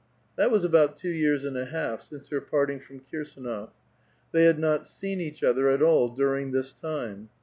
That was about two years and a half since her parting from Kirs^nof. Tliey iiud not seen eacii other at all during this time.